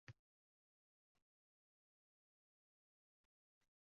Faqat shuni deb yashadi